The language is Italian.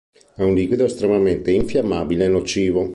È un liquido estremamente infiammabile e nocivo.